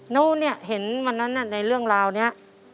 นู้นเนี่ยเห็นวันนั้นในเรื่องราวนี้